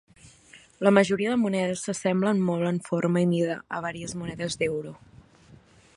La majoria de monedes s'assemblen molt en forma i mida a varies monedes d'euro.